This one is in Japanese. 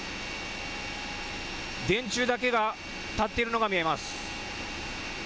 電柱だけが立っているのが見えます。